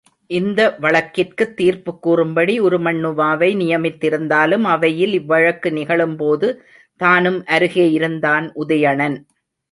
இந்த வழக்கிற்குத் தீர்ப்புக் கூறும்படி உருமண்ணுவாவை நியமித்திருந்தாலும், அவையில் இவ் வழக்கு நிகழும்போது தானும் அருகே இருந்தான் உதயணன்.